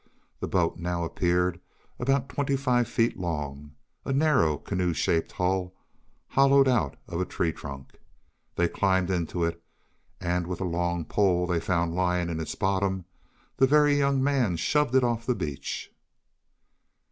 The boat now appeared about twenty five feet long a narrow, canoe shaped hull hollowed out of a tree trunk. They climbed into it, and with a long pole they found lying in its bottom, the Very Young Man shoved it off the beach.